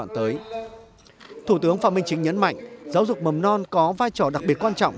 thủ tướng phạm minh chính nhấn mạnh giáo dục mầm non có vai trò đặc biệt quan trọng